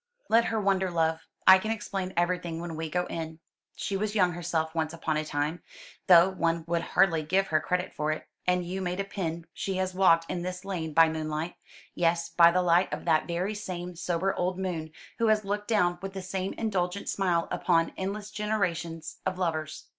"Let her wonder, love. I can explain everything when we go in. She was young herself once upon a time, though one would hardly give her credit for it; and you may depend she has walked in this lane by moonlight. Yes, by the light of that very same sober old moon, who has looked down with the same indulgent smile upon endless generations of lovers."